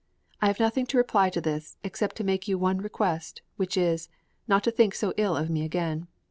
I have nothing to reply to this, except to make you one request, which is not to think so ill of me again.